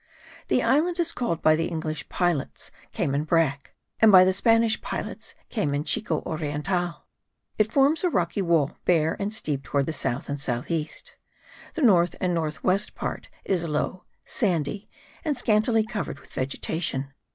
The island is called by the English pilots Cayman brack, and by the Spanish pilots, Cayman chico oriental. It forms a rocky wall, bare and steep towards the south and south east. The north and north west part is low, sandy, and scantily covered with vegetation.